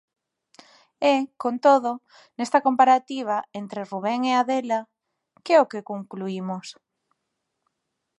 E, con todo, nesta comparativa entre Rubén e Adela, ¿que é o que concluímos?